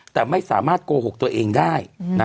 แต่ไม่สามารถโกหกตัวเองได้